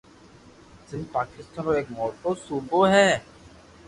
سندھ پاڪستان رو ايڪ موٽو صوبو ھي